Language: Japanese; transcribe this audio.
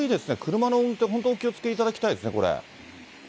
車の運転、本当にお気をつけいただきたいですね、これ。